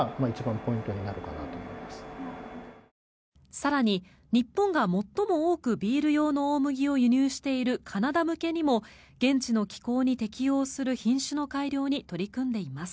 更に日本が最も多くビール用の大麦を輸入しているカナダ向けにも現地の気候に適応する品種の改良に取り組んでいます。